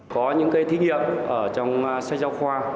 có những thí nghiệm ở trong sách giáo khoa